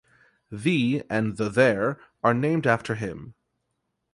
The and the there are named after him.